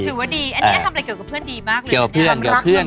ถือว่าดีอันนี้ทำอะไรเกี่ยวกับเพื่อนดีมากเลย